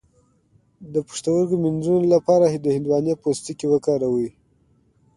د پښتورګو د مینځلو لپاره د هندواڼې پوستکی وکاروئ